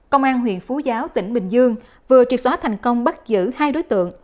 công an huyện phú giáo tỉnh bình dương vừa triệt xóa thành công bắt giữ hai đối tượng